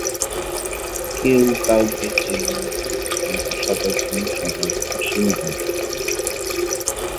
কেউ কাউকে চেনে না কিন্তু সবার জন্য সবার অসীম দরদ।